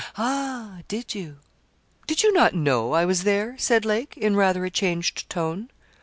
'Ah! did you?' 'Did not you know I was there?' said Lake, in rather a changed tone.